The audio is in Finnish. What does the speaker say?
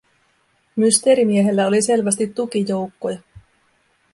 Mysteerimiehellä oli selvästi tukijoukkoja.